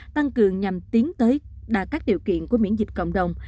tăng cường nhằm tiến tới đạt các điều kiện của miễn dịch cộng đồng